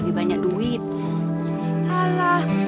kita kan punya dia sendiri